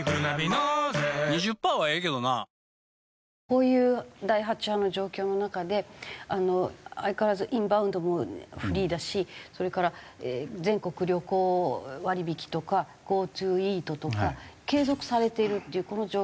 こういう第８波の状況の中で相変わらずインバウンドもフリーだしそれから全国旅行割引とかＧｏＴｏＥａｔとか継続されているっていうこの状況についてはどうですか？